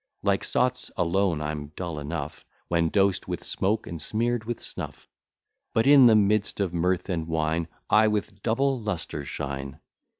Like sots, alone I'm dull enough, When dosed with smoke, and smear'd with snuff; But, in the midst of mirth and wine, I with double lustre shine.